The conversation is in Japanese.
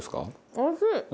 おいしい？